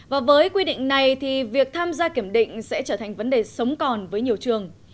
và với quy định này thì việc tham gia kiểm định sẽ trở thành vấn đề sống còn với nhiều trường